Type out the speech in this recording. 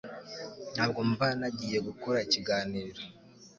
ntabwo mba nagiye gukora ikiganiro